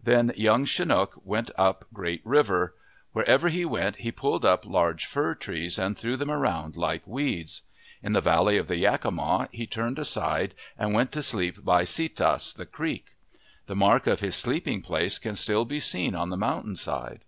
Then Young Chinook went up Great River. Wherever he went he pulled up large fir trees and threw them around like weeds. In the valley of the Yakima he turned aside and went to sleep by Setas, the creek. The mark of his sleeping place can still be seen on the mountain side.